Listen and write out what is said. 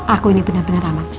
aku ini benar benar aman